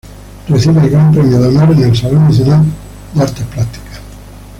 Recibe el Gran Premio de Honor en el Salón Nacional de Artes Plásticas.